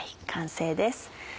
完成です。